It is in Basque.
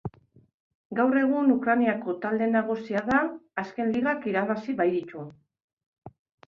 Gaur egun Ukrainako talde nagusia da azken ligak irabazi baititu.